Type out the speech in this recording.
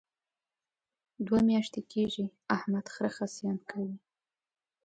دوه میاشتې کېږي احمد خره خصیان کوي.